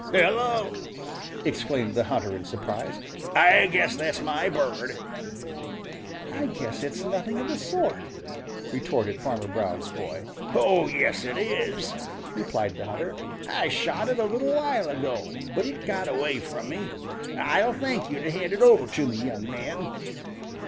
"Hello!" exclaimed the hunter in surprise, "I guess that's my bird!" "I guess it's nothing of the sort!" retorted Farmer Brown's boy. "Oh, yes, it is," replied the hunter. "I shot it a little while ago, but it got away from me. I'll thank you to hand it over to me, young man."